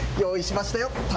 用意しましたよ。